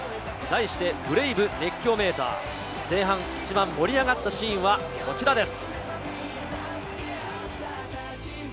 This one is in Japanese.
題してＢＲＡＶＥ熱狂メーター、前半一番盛り上がったシーンはこちらです。